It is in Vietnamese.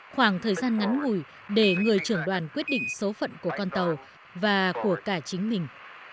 khoảng thời gian ngắn ngủi để người trưởng đoàn quyết định số phận của con tàu và của cả chính mình